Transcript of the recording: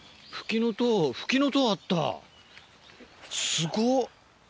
すごっ！